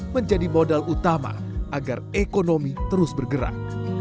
menjadi modal utama agar ekonomi terus bergerak